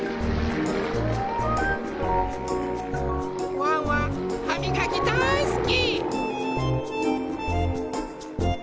ワンワンはみがきだいすき！